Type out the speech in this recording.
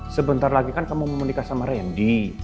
sebentar lagi kan kamu mau menikah sama randy